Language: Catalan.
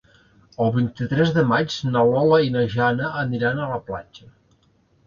El vint-i-tres de maig na Lola i na Jana aniran a la platja.